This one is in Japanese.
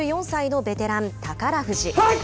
３４歳のベテラン、宝富士。